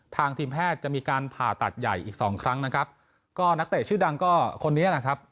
ทีมแพทย์จะมีการผ่าตัดใหญ่อีกสองครั้งนะครับก็นักเตะชื่อดังก็คนนี้แหละครับ